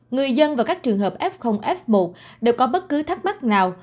người dân và các trường hợp f f một đều có bất cứ thắc mắc nào